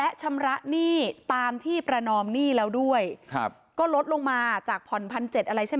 และชำระหนี้ตามที่ประนอมหนี้แล้วด้วยครับก็ลดลงมาจากผ่อนพันเจ็ดอะไรใช่ไหม